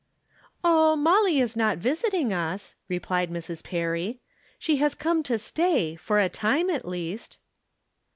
" Oh, Molly is not visiting us," replied Mrs.' Perry. " She has come to stay, for a time at least."